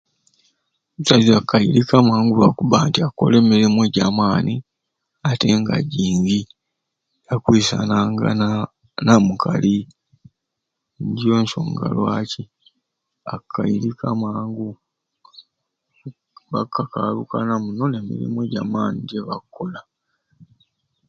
Omusaiza akairika mangu lwakuba nti akola emirimu ejamaani atenga jingi, takwisanangana namukali nijo nsonga lwaki bakairika mangu, bakakalukana muno nemirimu ejamaani jebakola.